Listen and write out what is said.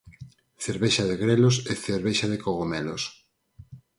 Cervexa de grelos e cervexa de cogomelos.